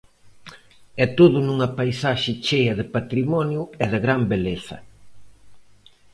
E todo nunha paisaxe chea de patrimonio e de gran beleza.